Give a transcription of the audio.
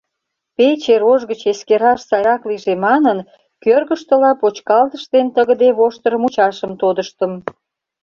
Пече рож гыч эскераш сайрак лийже манын, кӧргыштыла почкалтыш ден тыгыде воштыр мучашым тодыштым.